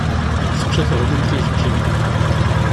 Tečča teɣyult ijeǧǧigen-nni.